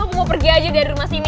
aku mau pergi aja dari rumah sini